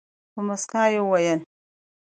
په موسکا یې وویل.